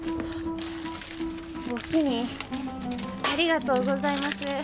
ありがとうございます。